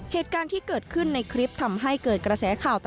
เหตุการณ์ที่เกิดขึ้นในคลิปทำให้เกิดกระแสข่าวต่อ